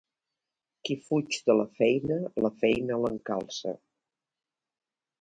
Qui fuig de la feina, la feina l'encalça.